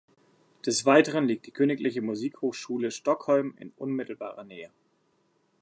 Des Weiteren liegt die Königliche Musikhochschule Stockholm in unmittelbarer Nähe.